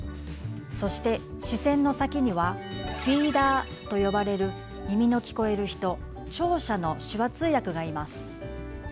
そして視線の先にはフィーダーと呼ばれる耳の聞こえる人聴者の手話通訳がいます。